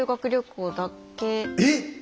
えっ！？